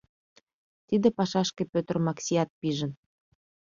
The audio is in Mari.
Тиде пашашке Петр Максиат пижын.